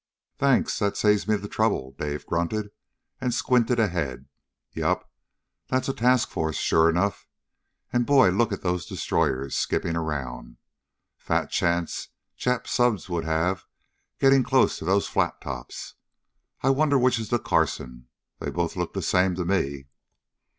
"Thanks, that saves me the trouble," Dave grunted, and squinted ahead. "Yup! That's a task force sure enough. And, boy, look at those destroyers skipping around! Fat chance Jap subs would have getting close to those flat tops. I wonder which is the Carson? They both look the same to me."